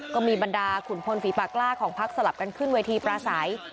บรรดาขุนพลฝีปากกล้าของพักสลับกันขึ้นเวทีปราศัย